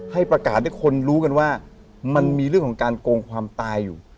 ให้ประกาศให้คนรู้กันว่ามันมีเรื่องของการโกงความตายอยู่